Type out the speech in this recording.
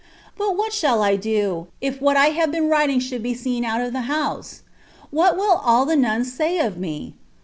But what shall I do, if what I have been writing should be seen out of the house ? What will all the nuns say of me